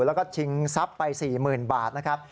แล้วก็ชิงทรัพย์ไป๔๐๐๐บาทนะครับ